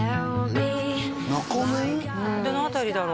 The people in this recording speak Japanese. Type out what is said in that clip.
どの辺りだろ